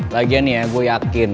lagian ya gue yakin